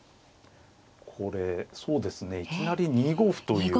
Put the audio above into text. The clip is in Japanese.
これそうですねいきなり２五歩という。